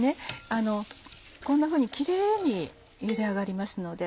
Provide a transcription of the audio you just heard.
こんなふうにキレイにゆで上がりますので。